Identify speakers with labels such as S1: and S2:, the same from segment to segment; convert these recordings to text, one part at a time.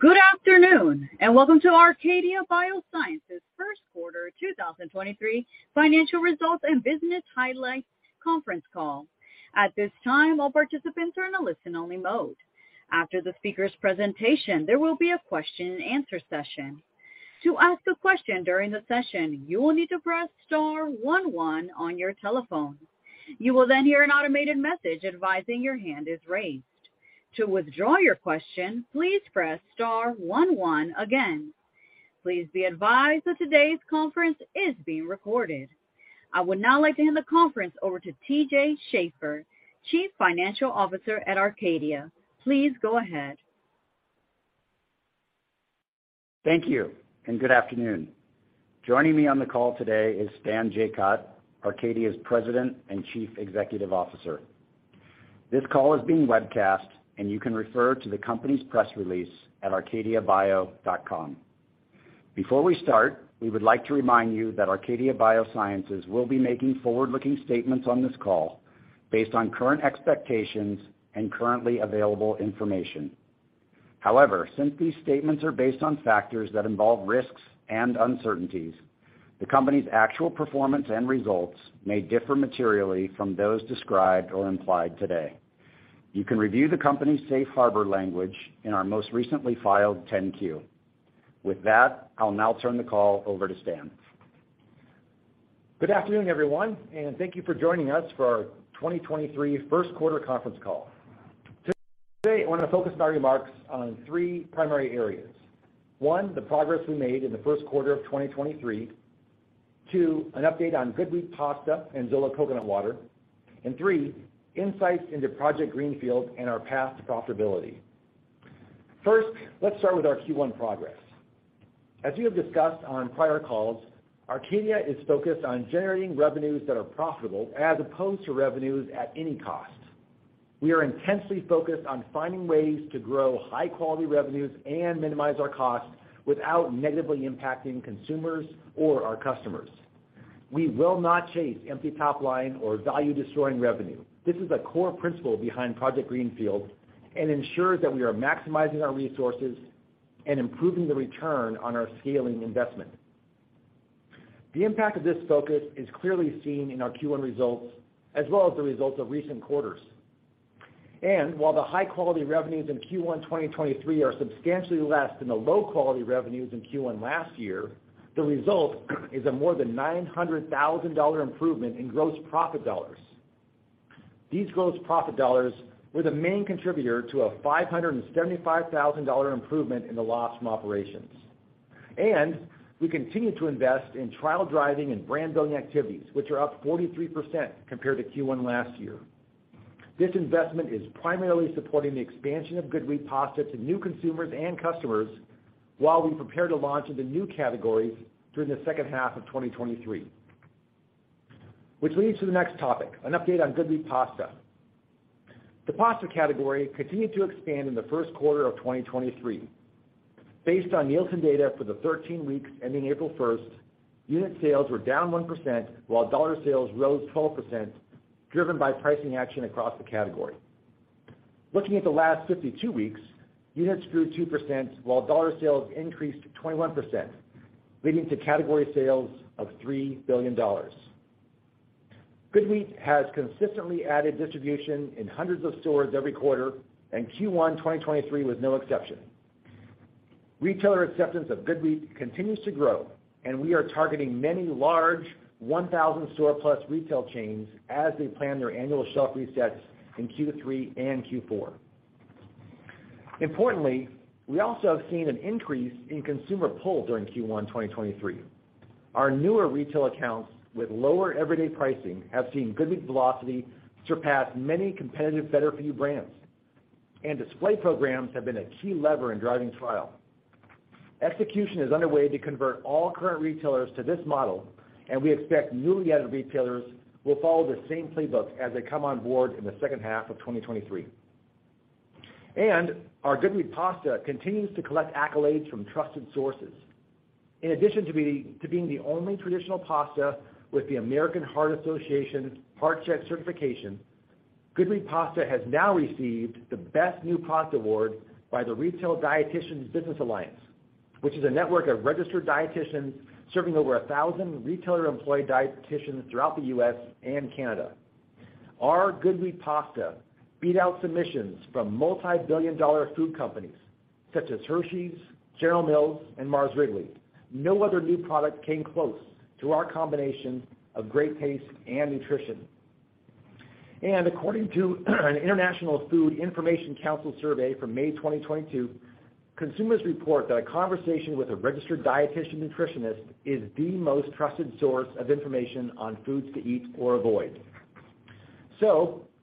S1: Good afternoon, and Welcome to Arcadia Biosciences First Quarter 2023 Financial Results and Business Highlights Conference Call. At this time, all participants are in a listen-only mode. After the speaker's presentation, there will be a question and answer session. To ask a question during the session, you will need to press star one one on your telephone. You will then hear an automated message advising your hand is raised. To withdraw your question, please press star one one again. Please be advised that today's conference is being recorded. I would now like to hand the conference over to TJ Schaefer, Chief Financial Officer at Arcadia. Please go ahead.
S2: Thank you, and good afternoon. Joining me on the call today is Stan Jacot, Arcadia's President and Chief Executive Officer. This call is being webcast, and you can refer to the company's press release at arcadiabio.com. Before we start, we would like to remind you that Arcadia Biosciences will be making forward-looking statements on this call based on current expectations and currently available information. However, since these statements are based on factors that involve risks and uncertainties, the company's actual performance and results may differ materially from those described or implied today. You can review the company's safe harbor language in our most recently filed 10-Q. With that, I'll now turn the call over to Stan.
S3: Good afternoon, everyone, thank you for joining us for our 2023 1st quarter conference call. Today, I want to focus my remarks on three primary areas. One, the progress we made in the 1st quarter of 2023. Two, an update on GoodWheat pasta and Zola Coconut Water. Three, insights into Project Greenfield and our path to profitability. 1st, let's start with our Q1 progress. As we have discussed on prior calls, Arcadia is focused on generating revenues that are profitable as opposed to revenues at any cost. We are intensely focused on finding ways to grow high-quality revenues and minimize our costs without negatively impacting consumers or our customers. We will not chase empty top line or value-destroying revenue. This is a core principle behind Project Greenfield and ensures that we are maximizing our resources and improving the return on our scaling investment. The impact of this focus is clearly seen in our Q1 results as well as the results of recent quarters. While the high-quality revenues in Q1 2023 are substantially less than the low-quality revenues in Q1 last year, the result is a more than $900,000 improvement in gross profit dollars. These gross profit dollars were the main contributor to a $575,000 improvement in the loss from operations. We continue to invest in trial driving and brand building activities, which are up 43% compared to Q1 last year. This investment is primarily supporting the expansion of GoodWheat pasta to new consumers and customers while we prepare to launch into new categories during the 2nd half of 2023. Leads to the next topic, an update on GoodWheat pasta. The pasta category continued to expand in the 1st quarter of 2023. Based on Nielsen data for the 13 weeks ending April 1st, unit sales were down 1%, while dollar sales rose 12%, driven by pricing action across the category. Looking at the last 52 weeks, units grew 2%, while dollar sales increased 21%, leading to category sales of $3 billion. GoodWheat has consistently added distribution in hundreds of stores every quarter, and Q1 2023 was no exception. Retailer acceptance of GoodWheat continues to grow, and we are targeting many large 1,000 store plus retail chains as they plan their annual shelf resets in Q3 and Q4. Importantly, we also have seen an increase in consumer pull during Q1 2023. Our newer retail accounts with lower everyday pricing have seen GoodWheat velocity surpass many competitive better-for-you brands. Display programs have been a key lever in driving trial. Execution is underway to convert all current retailers to this model. We expect newly added retailers will follow the same playbook as they come on board in the 2nd half of 2023. Our GoodWheat pasta continues to collect accolades from trusted sources. In addition to being the only traditional pasta with the American Heart Association's Heart-Check certification, GoodWheat pasta has now received the Best New Pasta Award by the Retail Dietitians Business Alliance, which is a network of registered dietitians serving over 1,000 retailer-employed dietitians throughout the U.S. and Canada. Our GoodWheat pasta beat out submissions from multi-billion-dollar food companies such as Hershey's, General Mills, and Mars Wrigley. No other new product came close to our combination of great taste and nutrition. According to an International Food Information Council survey from May 2022, consumers report that a conversation with a registered dietitian nutritionist is the most trusted source of information on foods to eat or avoid.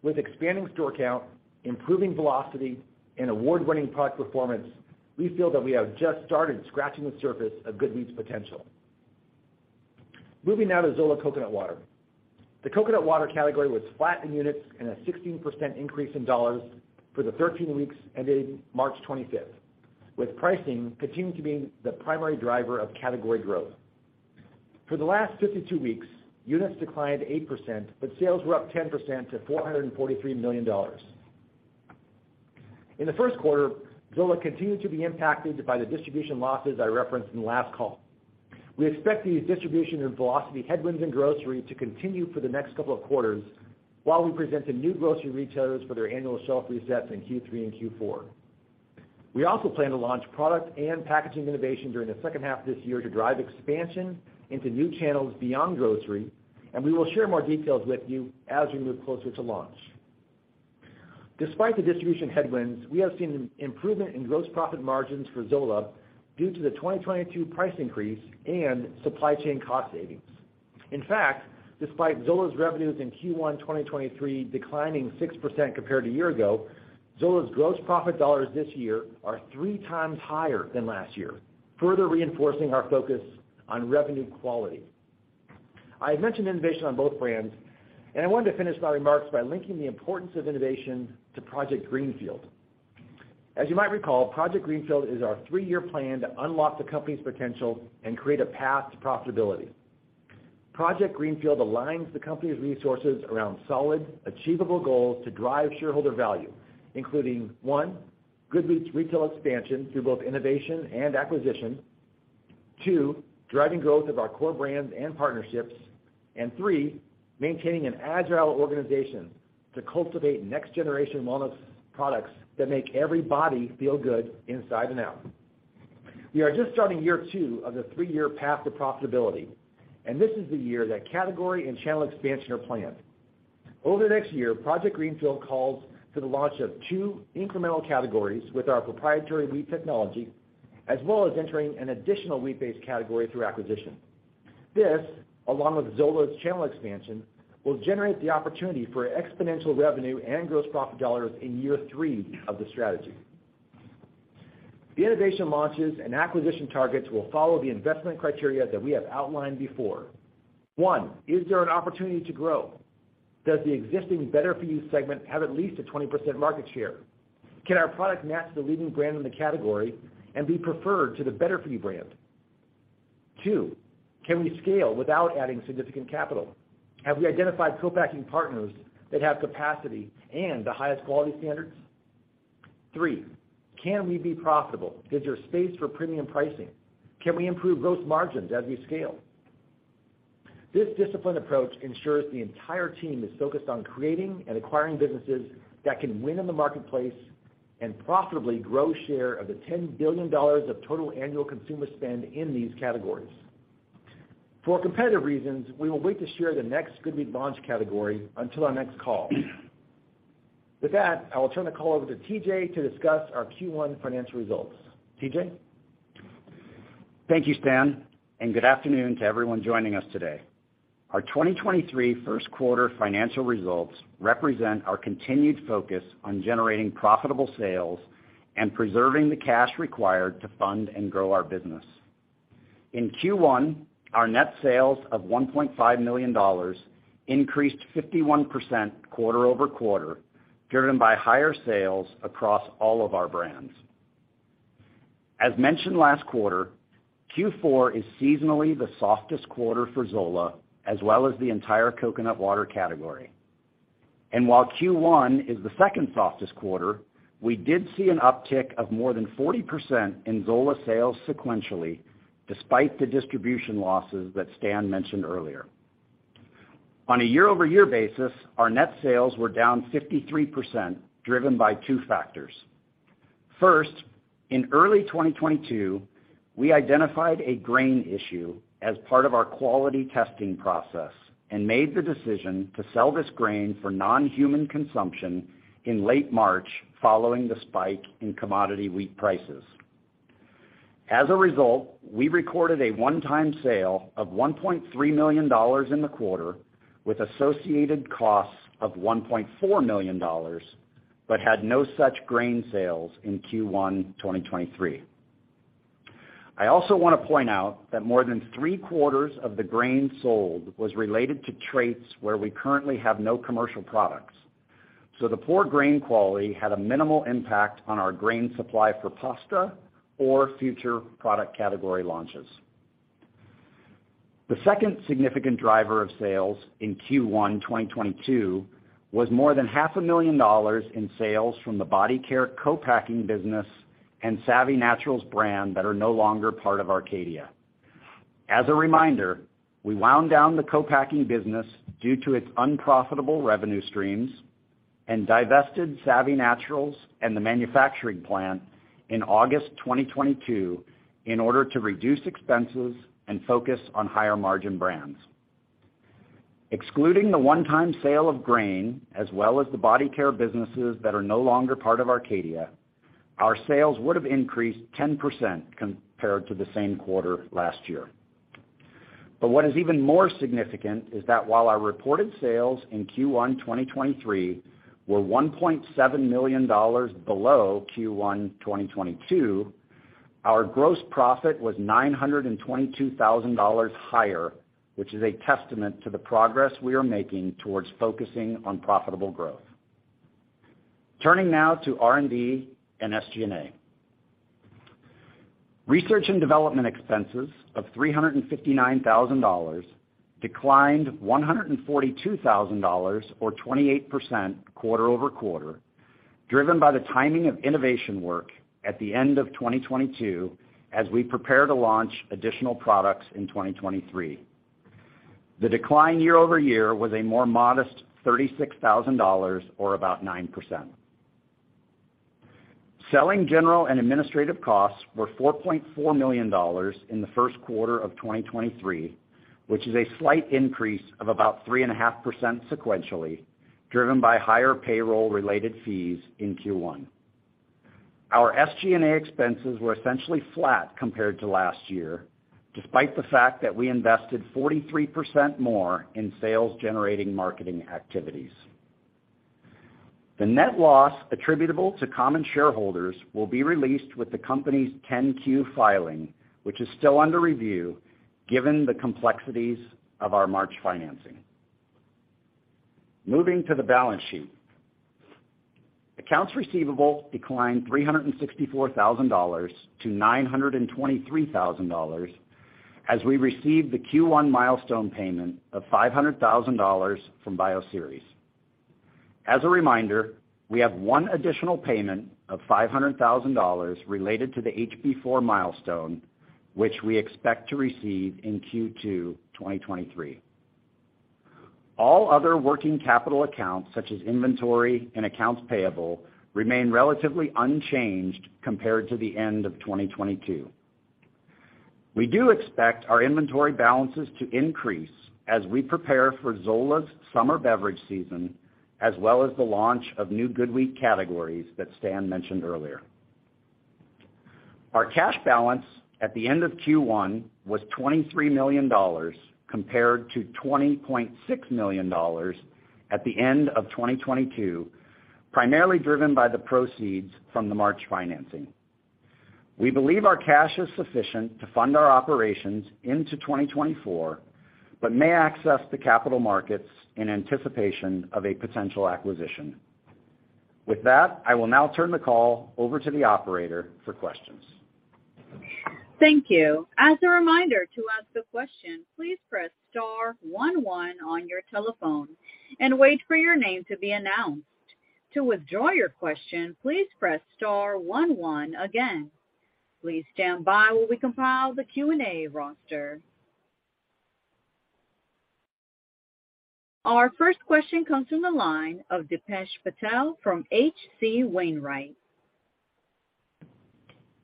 S3: With expanding store count, improving velocity, and award-winning product performance, we feel that we have just started scratching the surface of GoodWheat's potential. Moving now to Zola Coconut Water. The coconut water category was flat in units and a 16% increase in dollars for the 13 weeks ending March 25th, with pricing continuing to be the primary driver of category growth. For the last 52 weeks, units declined 8%, but sales were up 10% to $443 million. In the 1st quarter, Zola continued to be impacted by the distribution losses I referenced in the last call. We expect these distribution and velocity headwinds in grocery to continue for the next couple of quarters while we present to new grocery retailers for their annual shelf resets in Q3 and Q4. We also plan to launch product and packaging innovation during the 2nd half of this year to drive expansion into new channels beyond grocery. We will share more details with you as we move closer to launch. Despite the distribution headwinds, we have seen improvement in gross profit margins for Zola due to the 2022 price increase and supply chain cost savings. In fact, despite Zola's revenues in Q1 2023 declining 6% compared to a year ago, Zola's gross profit dollars this year are 3 times higher than last year, further reinforcing our focus on revenue quality. I had mentioned innovation on both brands, and I wanted to finish my remarks by linking the importance of innovation to Project Greenfield. As you might recall, Project Greenfield is our 3-year plan to unlock the company's potential and create a path to profitability. Project Greenfield aligns the company's resources around solid, achievable goals to drive shareholder value, including, one, GoodWheat's retail expansion through both innovation and acquisition. Two, driving growth of our core brands and partnerships. And three, maintaining an agile organization to cultivate next-generation wellness products that make every body feel good inside and out. We are just starting year two of the three-year path to profitability. This is the year that category and channel expansion are planned. Over the next year, Project Greenfield calls for the launch of two incremental categories with our proprietary wheat technology, as well as entering an additional wheat-based category through acquisition. This, along with Zola's channel expansion, will generate the opportunity for exponential revenue and gross profit dollars in year three of the strategy. The innovation launches and acquisition targets will follow the investment criteria that we have outlined before. One is there an opportunity to grow? Does the existing better for you segment have at least a 20% market share? Can our product match the leading brand in the category and be preferred to the better for you brand? Two. Can we scale without adding significant capital? Have we identified co-packing partners that have capacity and the highest quality standards? Three, can we be profitable? Is there space for premium pricing? Can we improve gross margins as we scale? This disciplined approach ensures the entire team is focused on creating and acquiring businesses that can win in the marketplace and profitably grow share of the $10 billion of total annual consumer spend in these categories. For competitive reasons, we will wait to share the next GoodWheat launch category until our next call. With that, I will turn the call over to TJ to discuss our Q1 financial results. TJ?
S2: Thank you, Stan. Good afternoon to everyone joining us today. Our 2023 1st quarter financial results represent our continued focus on generating profitable sales and preserving the cash required to fund and grow our business. In Q1, our net sales of $1.5 million increased 51% quarter-over-quarter, driven by higher sales across all of our brands. While Q1 is the 2nd softest quarter, we did see an uptick of more than 40% in Zola sales sequentially, despite the distribution losses that Stan mentioned earlier. On a year-over-year basis, our net sales were down 53%, driven by two factors. In early 2022, we identified a grain issue as part of our quality testing process and made the decision to sell this grain for non-human consumption in late March following the spike in commodity wheat prices. We recorded a one-time sale of $1.3 million in the quarter with associated costs of $1.4 million, but had no such grain sales in Q1 2023. I also want to point out that more than three-quarters of the grain sold was related to traits where we currently have no commercial products. The poor grain quality had a minimal impact on our grain supply for pasta or future product category launches. The 2nd significant driver of sales in Q1 2022 was more than half a million dollars in sales from the body care co-packing business and Savvy Naturals brand that are no longer part of Arcadia. As a reminder, we wound down the co-packing business due to its unprofitable revenue streams and divested Savvy Naturals and the manufacturing plant in August 2022 in order to reduce expenses and focus on higher margin brands. Excluding the one-time sale of grain as well as the body care businesses that are no longer part of Arcadia, our sales would have increased 10% compared to the same quarter last year. What is even more significant is that while our reported sales in Q1 2023 were $1.7 million below Q1 2022, our gross profit was $922,000 higher, which is a testament to the progress we are making towards focusing on profitable growth. Turning now to R&D and SG&A. Research and development expenses of $359,000 declined $142,000 or 28% quarter-over-quarter, driven by the timing of innovation work at the end of 2022 as we prepare to launch additional products in 2023. The decline year-over-year was a more modest $36,000 or about 9%. Selling general and administrative costs were $4.4 million in the 1st quarter of 2023, which is a slight increase of about 3.5% sequentially, driven by higher payroll related fees in Q1. Our SG&A expenses were essentially flat compared to last year, despite the fact that we invested 43% more in sales generating marketing activities. The net loss attributable to common shareholders will be released with the company's 10-Q filing, which is still under review given the complexities of our March financing. Moving to the balance sheet. Accounts receivable declined $364,000 to $923,000 as we received the Q1 milestone payment of $500,000 from Bioceres. As a reminder, we have one additional payment of $500,000 related to the HB4 milestone, which we expect to receive in Q2 2023. All other working capital accounts, such as inventory and accounts payable, remain relatively unchanged compared to the end of 2022. We do expect our inventory balances to increase as we prepare for Zola's summer beverage season, as well as the launch of new GoodWheat categories that Stan mentioned earlier. Our cash balance at the end of Q1 was $23 million compared to $20.6 million at the end of 2022, primarily driven by the proceeds from the March financing. We believe our cash is sufficient to fund our operations into 2024, but may access the capital markets in anticipation of a potential acquisition. With that, I will now turn the call over to the operator for questions.
S1: Thank you. As a reminder to ask a question, please press star one one on your telephone and wait for your name to be announced. To withdraw your question, please press star one one again. Please stand by while we compile the Q&A roster. Our 1st question comes from the line of Dipesh Patel from H.C. Wainwright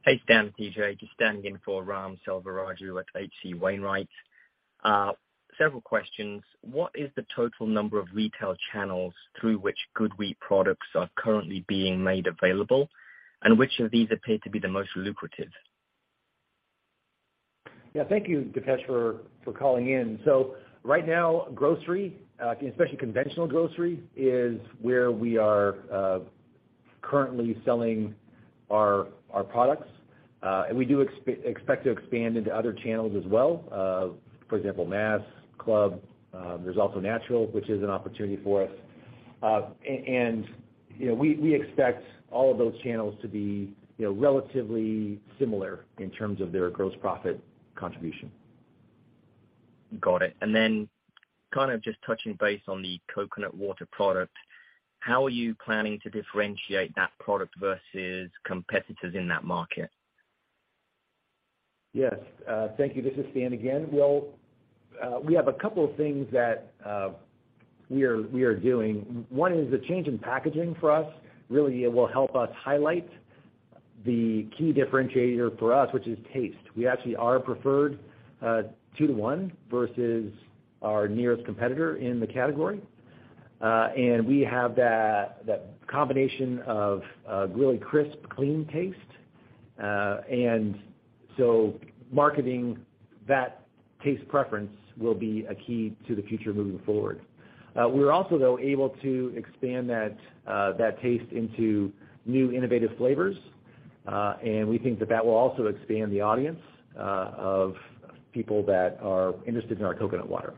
S1: & Co.
S4: Hey, Stan, TJ Just standing in for Ram Selvaraju at H.C. Wainwright & Co. Several questions. What is the total number of retail channels through which GoodWheat products are currently being made available, and which of these appear to be the most lucrative?
S3: Thank you Dipesh for calling in. Right now, grocery, especially conventional grocery, is where we are currently selling our products. We do expect to expand into other channels as well, for example, mass, club, there's also natural, which is an opportunity for us. you know, we expect all of those channels to be, you know, relatively similar in terms of their gross profit contribution.
S4: Got it. Then kind of just touching base on the coconut water product, how are you planning to differentiate that product versus competitors in that market?
S3: Yes. Thank you. This is Stan again. Well, we have a couple of things that we are doing. One is the change in packaging for us. Really, it will help us highlight the key differentiator for us, which is taste. We actually are preferred 2-1 versus our nearest competitor in the category. We have that combination of a really crisp, clean taste. So marketing that taste preference will be a key to the future moving forward. We're also, though, able to expand that taste into new innovative flavors. We think that that will also expand the audience of people that are interested in our coconut water.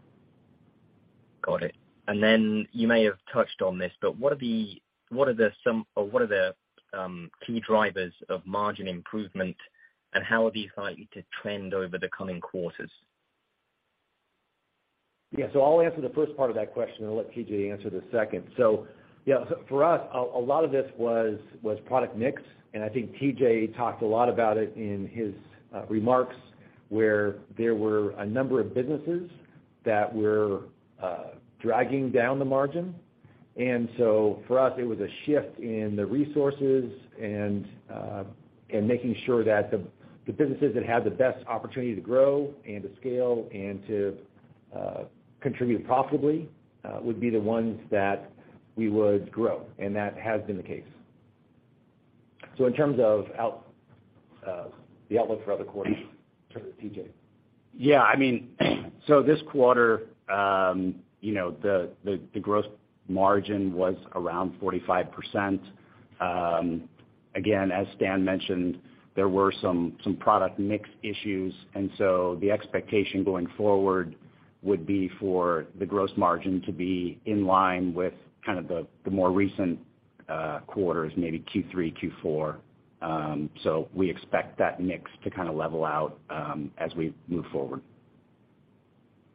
S4: Got it. Then you may have touched on this, but what are the key drivers of margin improvement, and how are these likely to trend over the coming quarters?
S3: Yeah. I'll answer the 1st part of that question, and I'll let TJ answer the 2nd. Yeah, for us, a lot of this was product mix, and I think TJ talked a lot about it in his remarks, where there were a number of businesses that were dragging down the margin. For us, it was a shift in the resources and making sure that the businesses that had the best opportunity to grow and to scale and to contribute profitably would be the ones that we would grow. That has been the case. In terms of the outlook for other quarters, turn it to TJ.
S2: Yeah, I mean, this quarter, you know, the gross margin was around 45%. Again, as Stan mentioned, there were some product mix issues, the expectation going forward.
S3: Would be for the gross margin to be in line with kind of the more recent quarters, maybe Q3, Q4. We expect that mix to kind of level out as we move forward.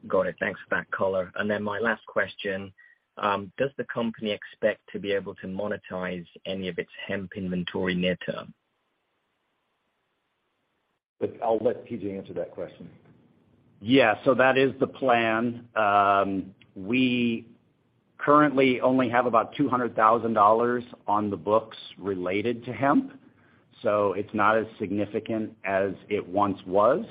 S4: Got it. Thanks for that color. My last question, does the company expect to be able to monetize any of its hemp inventory near term?
S3: I'll let TJ answer that question.
S2: Yeah. That is the plan. We currently only have about $200,000 on the books related to hemp, so it's not as significant as it once was.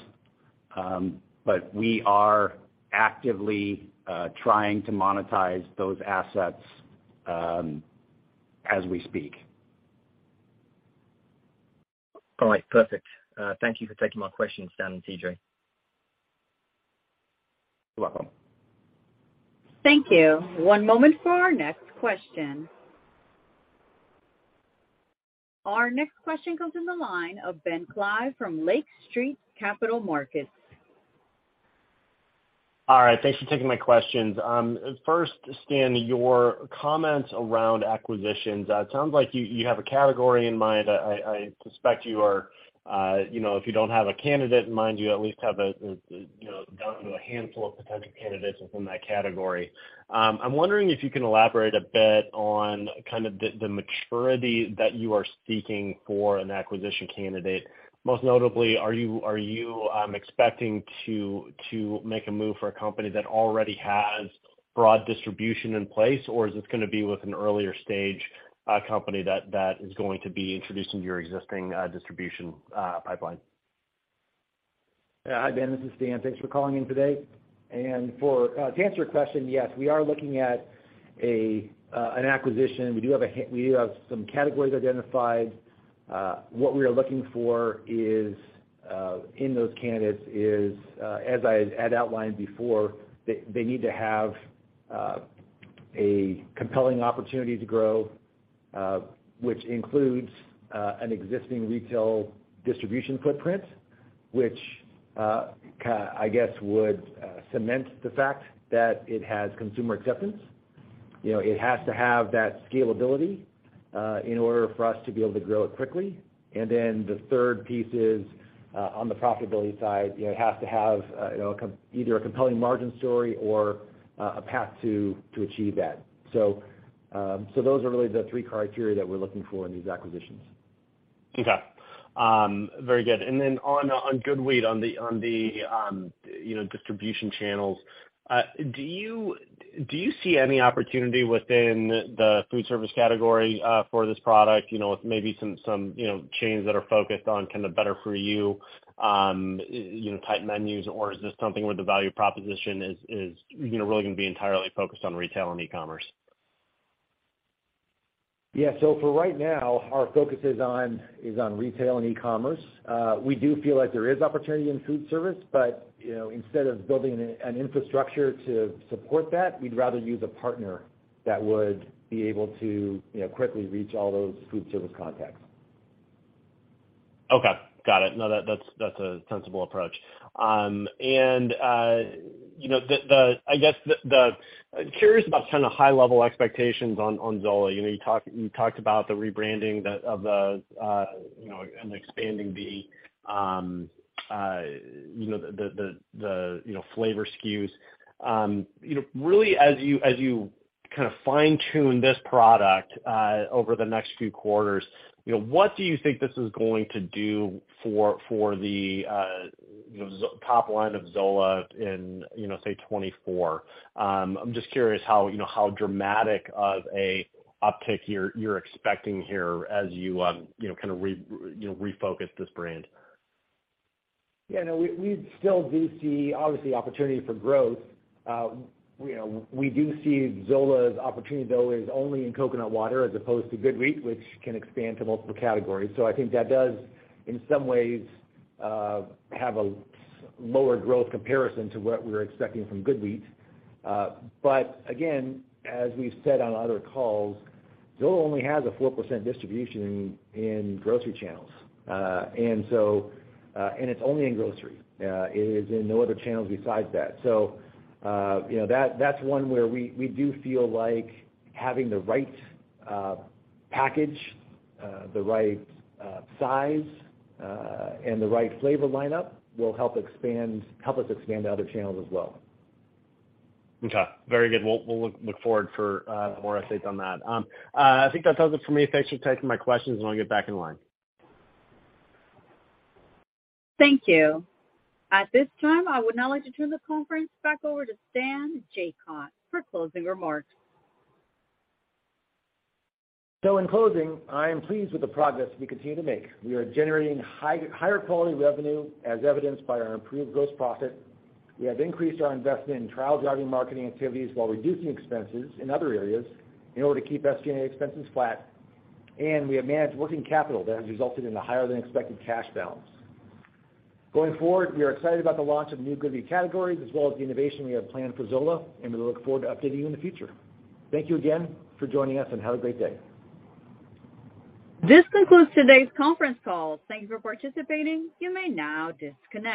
S2: We are actively trying to monetize those assets as we speak.
S4: All right. Perfect. Thank you for taking my questions, Stan and TJ
S3: You're welcome.
S1: Thank you. One moment for our next question. Our next question comes in the line of Ben Klieve from Lake Street Capital Markets.
S5: All right. Thanks for taking my questions. 1st, Stan, your comments around acquisitions. It sounds like you have a category in mind. I suspect you are, you know, if you don't have a candidate in mind, you at least have a, you know, down to a handful of potential candidates within that category. I'm wondering if you can elaborate a bit on kind of the maturity that you are seeking for an acquisition candidate. Most notably, are you expecting to make a move for a company that already has broad distribution in place, or is this gonna be with an earlier stage company that is going to be introducing your existing distribution pipeline?
S3: Yeah. Hi, Ben. This is Stan. Thanks for calling in today. To answer your question, yes, we are looking at an acquisition. We do have some categories identified. What we are looking for is in those candidates is as I had outlined before, they need to have a compelling opportunity to grow, which includes an existing retail distribution footprint, which I guess would cement the fact that it has consumer acceptance. You know, it has to have that scalability in order for us to be able to grow it quickly. The 3rd piece is on the profitability side, you know, it has to have, you know, either a compelling margin story or a path to achieve that. Those are really the three criteria that we're looking for in these acquisitions.
S5: Very good. On GoodWheat, on the, you know, distribution channels, do you see any opportunity within the food service category for this product, you know, with maybe some, you know, chains that are focused on kind of better for you know, type menus, or is this something where the value proposition is, you know, really gonna be entirely focused on retail and e-commerce?
S3: For right now, our focus is on retail and e-commerce. We do feel like there is opportunity in food service, but, you know, instead of building an infrastructure to support that, we'd rather use a partner that would be able to, you know, quickly reach all those food service contacts.
S5: Okay. Got it. No. That's a sensible approach. You know, curious about kind of high level expectations on Zola. You know, you talked about the rebranding of the, you know, and expanding the, you know, flavor SKUs. You know, really, as you kind of fine-tune this product over the next few quarters, you know, what do you think this is going to do for the top line of Zola in, you know, say 2024? I'm just curious how, you know, how dramatic of a uptick you're expecting here as you know, kind of refocus this brand.
S3: Yeah, no. We still do see obviously opportunity for growth. You know, we do see Zola's opportunity, though, is only in coconut water as opposed to GoodWheat, which can expand to multiple categories. I think that does, in some ways, have a lower growth comparison to what we're expecting from GoodWheat. Again, as we've said on other calls, Zola only has a 4% distribution in grocery channels. It's only in grocery. It is in no other channels besides that. You know, that's one where we do feel like having the right package, the right size, and the right flavor lineup will help us expand to other channels as well.
S5: Okay. Very good. We'll look forward for more updates on that. I think that does it for me. Thanks for taking my questions. I'll get back in line.
S1: Thank you. At this time, I would now like to turn the conference back over to Stan Jacot for closing remarks.
S3: In closing, I am pleased with the progress we continue to make. We are generating higher quality revenue, as evidenced by our improved gross profit. We have increased our investment in trial-driving marketing activities while reducing expenses in other areas in order to keep SG&A expenses flat. We have managed working capital that has resulted in a higher-than-expected cash balance. Going forward, we are excited about the launch of new GoodWheat categories, as well as the innovation we have planned for Zola, and we look forward to updating you in the future. Thank you again for joining us, and have a great day.
S1: This concludes today's conference call. Thank you for participating. You may now disconnect.